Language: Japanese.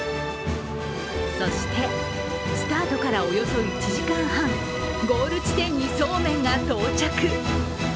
そして、スタートからおよそ１時間半ゴール地点に、そうめんが到着。